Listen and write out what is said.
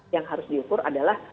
yang harus diukur adalah